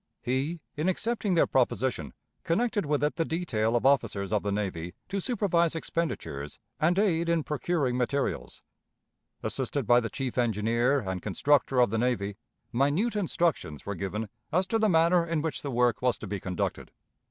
He, in accepting their proposition, connected with it the detail of officers of the navy to supervise expenditures and aid in procuring materials. Assisted by the chief engineer and constructor of the navy, minute instructions were given as to the manner in which the work was to be conducted.